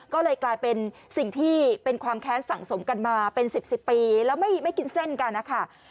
ก็เลยกลายเป็นสิ่งที่เป็นความแค้นสังสมกันมาเป็น๑๐ปีแล้วไม่กินเส้นกันนะคะ